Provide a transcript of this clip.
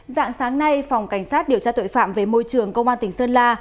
dạng sáng nay phòng cảnh sát điều tra tội phạm về môi trường công an tỉnh sơn la